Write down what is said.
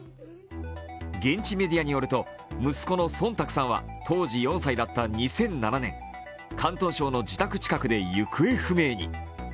現地メディアによると、息子の孫卓さんは４歳だった２００７年広東省の自宅近くで行方不明に。